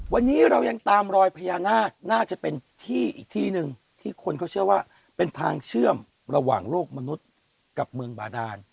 วันนี้เรายังตามรอยพญานาคน่าจะเป็นที่อีกที่หนึ่งที่คนเขาเชื่อว่าเป็นทางเชื่อมระหว่างโลกมนุษย์กับเมืองบาดาน